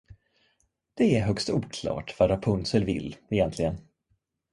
Det är högst oklart vad Rapunsel vill, egentligen.